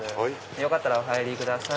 よかったらお入りください。